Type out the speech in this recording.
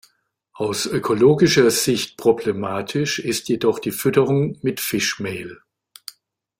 Aus ökologischer Sicht problematisch ist jedoch die Fütterung mit Fischmehl.